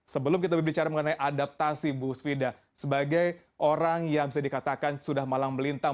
sebelum kita berbicara mengenai adaptasi bu svida sebagai orang yang bisa dikatakan sudah malang melintang